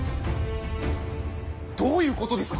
どういうことですか？